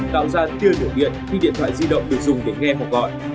tạo ra tiêu lửa điện khi điện thoại di động được dùng để nghe hoặc gọi